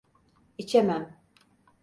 İçemem.